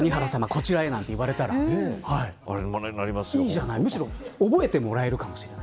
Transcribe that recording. こちらへ、何て言われたらむしろ覚えてもらえるかもしれない。